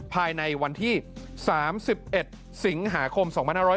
ภายในวันที่๓๑สิงหาคม๒๕๖๐